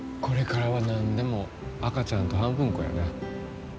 これからは何でも赤ちゃんと半分こやな。